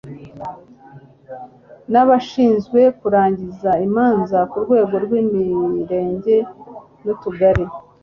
n abashinzwe kurangiza imanza ku rwego rw imirenge n utugari